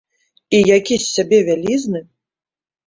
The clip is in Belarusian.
І які з сябе вялізны!